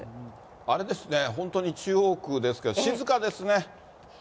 あれですね、本当に中央区ですけど、静かですね。